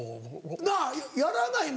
なぁやらないもん